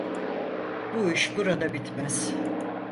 Bu iş burada bitmez.